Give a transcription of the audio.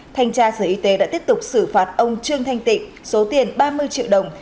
thanh tra sở y tế đã tiếp tục xử phạt ông trương thanh tịnh số tiền ba mươi triệu đồng